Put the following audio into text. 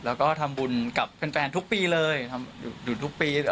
แล้วก็ทำบุญกับแฟนทุกปีเลยหยุดทุกปี